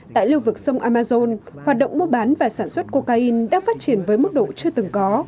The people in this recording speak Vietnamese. tại lưu vực sông amazon hoạt động mua bán và sản xuất cocaine đã phát triển với mức độ chưa từng có